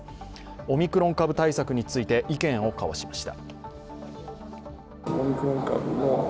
オミクロン株対策について意見を交わしました。